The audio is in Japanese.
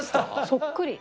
そっくり。